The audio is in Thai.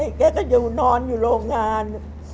แกก็อยู่นอนอยู่โรงงาน